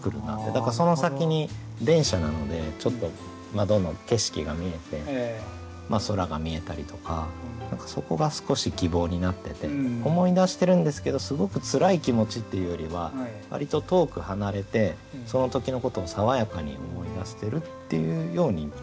だからその先に電車なのでちょっと窓の景色が見えて空が見えたりとかそこが少し希望になってて思い出してるんですけどすごくつらい気持ちっていうよりは割と遠く離れてその時のことを爽やかに思い出してるっていうように読みました。